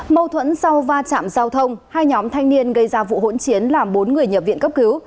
mâu thuẫn sau va chạm giao thông hai nhóm thanh niên gây ra vụ hỗn chiến làm bốn người nhập viện cấp cứu